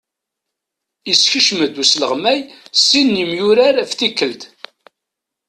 Issekcem-d usleɣmay sin n yemyurar ef tikelt.